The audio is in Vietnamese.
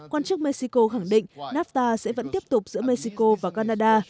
quan chức mexico khẳng định nafta sẽ vẫn tiếp tục giữa mexico và canada